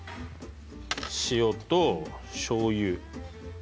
塩としょうゆ。